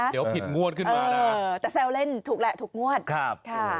เดี๋ยวให้ผิดงวดขึ้นมานะแต่แซลเล่นถูกก็ถูกงวดครับ